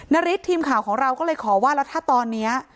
นาริสทีมข่าวของเราก็เลยขอว่าแล้วถ้าตอนนี้